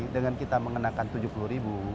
dengan kita mengenakan tujuh puluh ribu